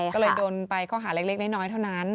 ก็เลยโดนไปข้อหาเล็กน้อยเท่านั้น